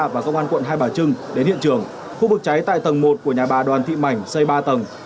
và công an quận hai bà trưng đến hiện trường khu vực cháy tại tầng một của nhà bà đoàn thị mảnh xây ba tầng